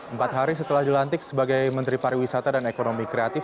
empat hari setelah dilantik sebagai menteri pariwisata dan ekonomi kreatif